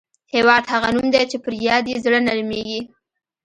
هېواد هغه نوم دی چې پر یاد یې زړه نرميږي.